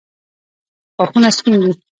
غاښونه سپین دي.